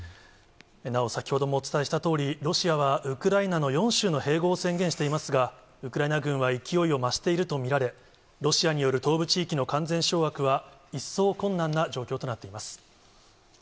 なお、先ほどもお伝えしたとおり、ロシアはウクライナの４州の併合を宣言していますが、ウクライナ軍は勢いを増していると見られ、ロシアによる東部地域の完全掌握は、一層、困難な状況となっています。